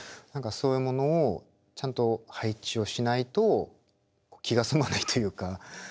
何かそういうものをちゃんと配置をしないと気が済まないというか。